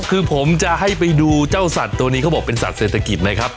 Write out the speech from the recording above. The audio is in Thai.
คือผมจะให้ไปดูเจ้าสัตว์ตัวนี้เขาบอกเป็นสัตว์เศรษฐกิจไหมครับ